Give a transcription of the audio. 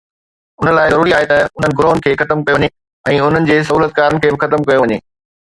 ان لاءِ ضروري آهي ته انهن گروهن کي ختم ڪيو وڃي ۽ انهن جي سهولتڪارن کي به ختم ڪيو وڃي